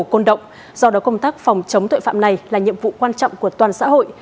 côn động do đó công tác phòng chống tội phạm này là nhiệm vụ quan trọng của toàn xã hội